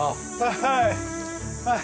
はい。